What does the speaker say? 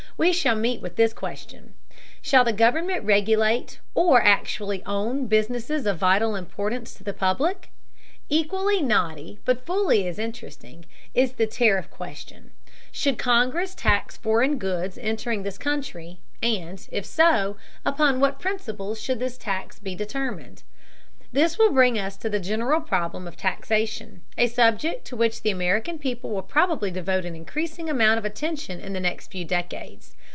We shall meet with this question: Shall the government regulate, or actually own, businesses of vital importance to the public? Equally knotty, but fully as interesting, is the tariff question. Should Congress tax foreign goods entering this country, and, if so, upon what principles should this tax be determined? This will bring us to the general problem of taxation, a subject to which the American people will probably devote an increasing amount of attention in the next few decades.